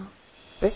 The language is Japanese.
えっ。